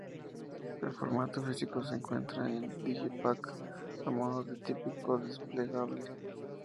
El formato físico se encuentra en digipack, a modo de tríptico desplegable.